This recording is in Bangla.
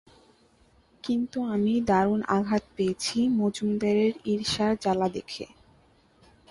কিন্তু আমি দারুণ আঘাত পেয়েছি মজুমদারের ঈর্ষার জ্বালা দেখে।